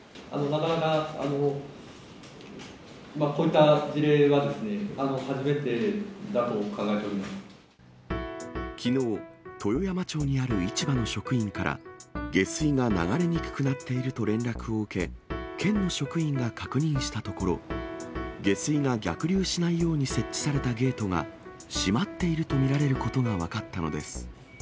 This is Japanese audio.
なかなか、こういった事例はきのう、豊山町にある市場の職員から、下水が流れにくくなっていると連絡を受け、県の職員が確認したところ、下水が逆流しないように設置されたゲートが、閉まっていると見られることが分かったのです。